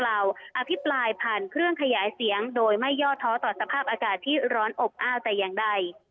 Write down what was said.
อภิปรายผ่านเครื่องขยายเสียงโดยไม่ย่อท้อต่อสภาพอากาศที่ร้อนอบอ้าวแต่อย่างใด